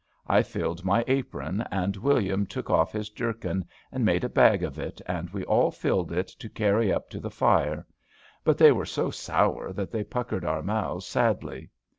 I filled my apron, and William took off his jerkin and made a bag of it, and we all filled it to carry up to the fire. But they were so sour, that they puckered our mouths sadly.